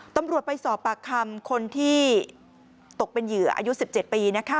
ตำรวจไปสอบปากคำคนที่ตกเป็นเหยื่ออายุ๑๗ปีนะคะ